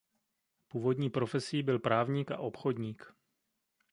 Původní profesí byl právník a obchodník.